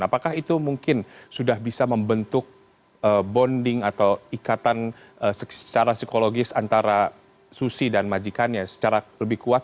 apakah itu mungkin sudah bisa membentuk bonding atau ikatan secara psikologis antara susi dan majikannya secara lebih kuat